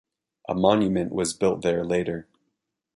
A monument was built there later.